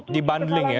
di bundling ya